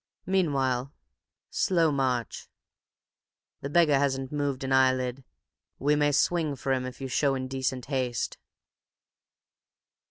Meanwhile—slow march! The beggar hasn't moved an eyelid. We may swing for him if you show indecent haste!"